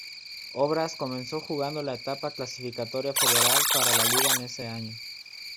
Obras comenzó jugando la etapa clasificatoria federal para la Liga en ese año.